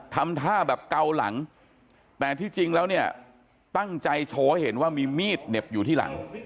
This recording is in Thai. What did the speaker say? ทำท่าแบบเกาหลังแต่ที่จริงแล้วเนี่ยตั้งใจโชว์ให้เห็นว่ามีมีดเหน็บอยู่ที่หลัง